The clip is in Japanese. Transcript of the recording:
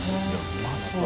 うまそう。